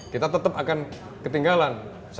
kita tetap akan ketinggalan satu dua